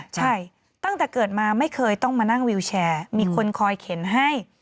ใช่ตั้งแต่เกิดมาไม่เคยต้องมานั่งวิวแชร์มีคนคอยเข็นให้